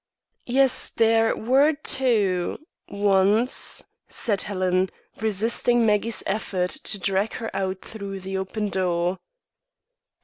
"Yes, there were two once," said Helen, resisting Maggie's effort to drag her out through the open door.